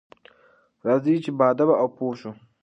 راځئ چې باادبه او پوه شو.